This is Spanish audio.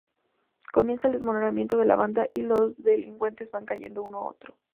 Comienza el desmoronamiento de la banda, y los delincuentes van cayendo uno a uno.